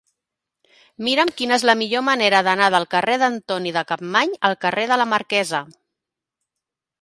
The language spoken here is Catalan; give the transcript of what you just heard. Mira'm quina és la millor manera d'anar del carrer d'Antoni de Capmany al carrer de la Marquesa.